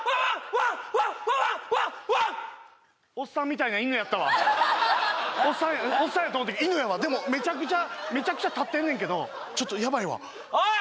ワンワンワンワン！おっさんみたいな犬やったわおっさんやと思ったら犬やわでもめちゃくちゃ立ってんねんけどちょっとヤバいわおい！